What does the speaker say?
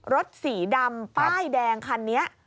รถสีดำป้ายแดงคันนี้